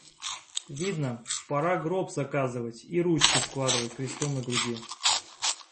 Видно, пора гроб заказывать и ручки складывать крестом на груди.